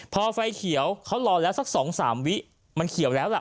พอไฟเขียวเขารอแล้วสัก๒๓วิมันเขียวแล้วล่ะ